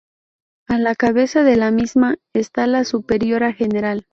A la cabeza de la misma está la superiora general.